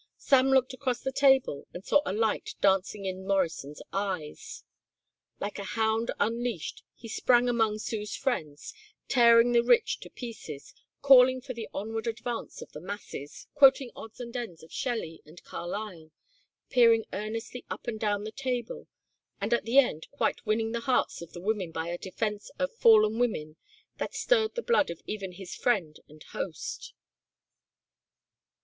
Sam looked across the table and saw a light dancing in Morrison's eyes. Like a hound unleashed he sprang among Sue's friends, tearing the rich to pieces, calling for the onward advance of the masses, quoting odds and ends of Shelley and Carlyle, peering earnestly up and down the table, and at the end quite winning the hearts of the women by a defence of fallen women that stirred the blood of even his friend and host.